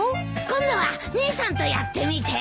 今度は姉さんとやってみて。